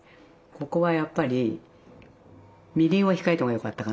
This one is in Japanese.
ここはやっぱりみりんを控えたほうがよかったかなとは思う。